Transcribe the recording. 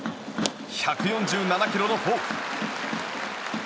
１４７キロのフォーク。